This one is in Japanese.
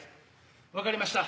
分かりました。